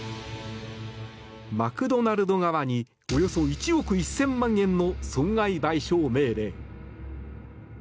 マクドナルド側におよそ１億１０００万円の損害賠償命令。